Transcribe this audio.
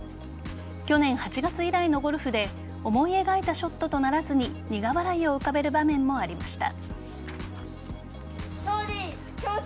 去年８月以来のゴルフで思い描いたショットとならずに苦笑いを浮かべる場面もありました。